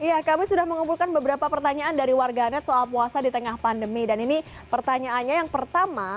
ya kami sudah mengumpulkan beberapa pertanyaan dari warganet soal puasa di tengah pandemi dan ini pertanyaannya yang pertama